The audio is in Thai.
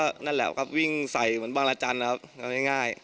นั่นแหละครับวิ่งใส่เหมือนบางรจันทร์นะครับเอาง่าย